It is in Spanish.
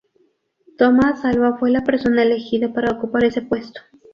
Tomás Alba fue la persona elegida para ocupar ese puesto.